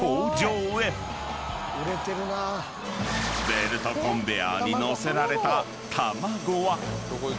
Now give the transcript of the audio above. ［ベルトコンベヤーに載せられた］